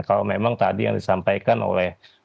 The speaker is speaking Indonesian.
kalau memang tadi yang disampaikan oleh